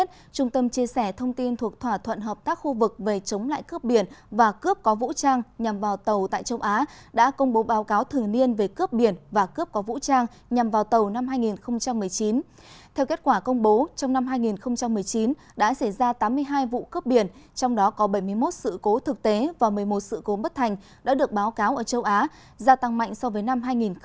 theo kết quả công bố trong năm hai nghìn một mươi chín đã xảy ra tám mươi hai vụ cướp biển trong đó có bảy mươi một sự cố thực tế và một mươi một sự cố bất thành đã được báo cáo ở châu á gia tăng mạnh so với năm hai nghìn một mươi tám